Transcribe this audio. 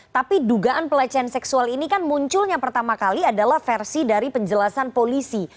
tapi dugaan pelecehan seksual ini kan munculnya pertama kali adalah versi dari penjelasan polisi